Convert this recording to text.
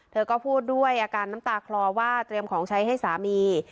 เธอก็พูดด้วยอาการน้ำตาคลอว่าเตรียมของใช้ให้สามี